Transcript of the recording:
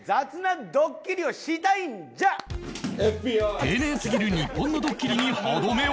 丁寧すぎる日本のドッキリに歯止めを